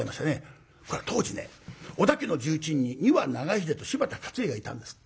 当時ね織田家の重鎮に丹羽長秀と柴田勝家がいたんですって。